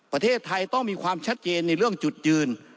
ประเทศไทยต้องมีความชัดเจนในเรื่องจุดยืน